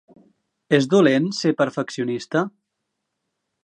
És dolent ser perfeccionista?